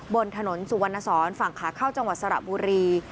บนถนนสุวรรณสอนฝั่งขาเข้าจังหวัดสระบุรี